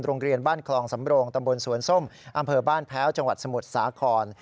โรงเรียนบ้านคลองสำโรงตำบลสวนส้มอำเภอบ้านแพ้วจังหวัดสมุทรสาคร